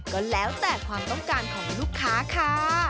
ก็แล้วแต่ความต้องการของลูกค้าค่ะ